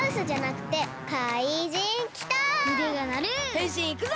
へんしんいくぞ！